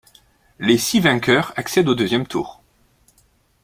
Les six vainqueurs accèdent au deuxième tour.